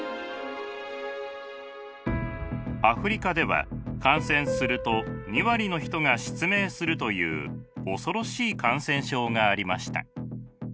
アフリカでは感染すると２割の人が失明するという恐ろしい感染症がありました。